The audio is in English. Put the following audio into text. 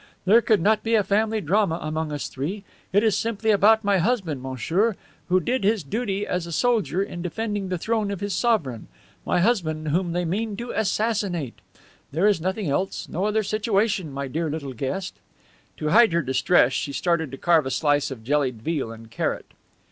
There could not be a family drama among us three. It is simply about my husband, monsieur, who did his duty as a soldier in defending the throne of his sovereign, my husband whom they mean to assassinate! There is nothing else, no other situation, my dear little guest." To hide her distress she started to carve a slice of jellied veal and carrot.